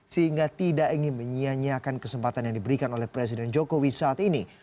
sehingga tidak ingin menyianyiakan kesempatan yang diberikan oleh presiden jokowi saat ini